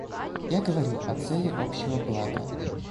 Я говорю о цели общего блага.